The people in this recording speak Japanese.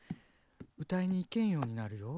歌いに行けんようになるよ？